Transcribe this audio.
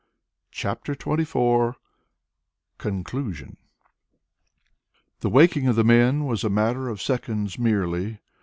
CHAPTER XXIV CONCLUSION The waking of the men was a matter of seconds merely.